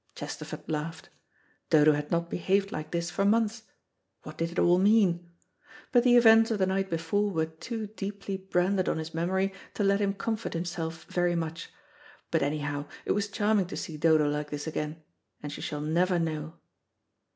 '" Chesterford laughed. Dodo had not behaved like this for months. What did it all mean? But the events of the night before were too deeply branded on his memory to let him comfort himself very much. But anyhow it was charming to see Dodo like this again. And she shall never know.